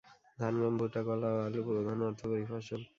ধান, গম, ভুট্টা, কলা ও আলু প্রধান অর্থকরী ফসল।